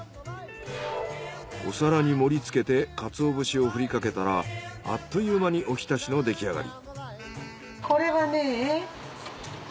お皿に盛り付けてかつお節をふりかけたらあっという間におひたしの出来上がり。